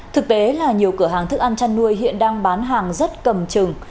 thực tế là nhiều cửa hàng thức ăn chăn nuôi hiện đang bán hàng rất cầm trừng